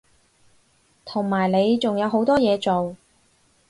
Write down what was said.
同埋你仲有好多嘢做